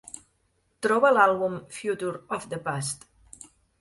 Troba l'àlbum Future of the Past